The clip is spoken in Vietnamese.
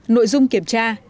nội dung kiểm tra